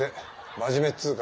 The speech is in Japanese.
真面目っつうか。